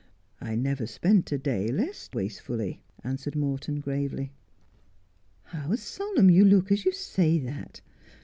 ' I never spent a day less wastef ully,' answered Morton gravely. ' How solemn you look as you say that